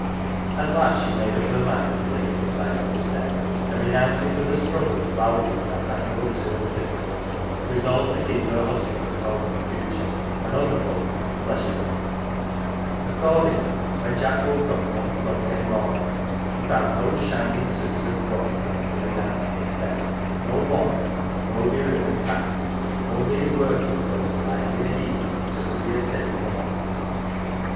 At last she made up her mind to take a decisive step, and, renouncing with a struggle the value of that annual two and sixpence, resolved to keep her husband at home in future when other folk went " pleasurm 1 ." Accordingly, when Jack woke up one Club day morning, he found no shining suit of broadcloth laid out by his bed, no wand, no be ribboned hat only his working clothes lying in a heap just as he had taken them off.